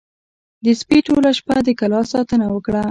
د سپي ټوله شپه د کلا ساتنه وکړه.